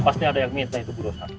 pasti ada yang mitra itu bu rosa